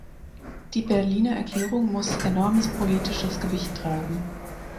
Die Berliner Erklärung muss enormes politisches Gewicht tragen.